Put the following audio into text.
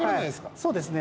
そうですね。